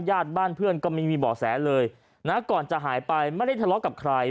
ญาติบ้านเพื่อนก็ไม่มีเบาะแสเลยนะก่อนจะหายไปไม่ได้ทะเลาะกับใคร